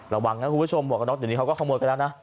ระวังนะคุณผู้ชมหมวกกระน็อกเดี๋ยวนี้เขาก็ขโมยกันแล้วนะ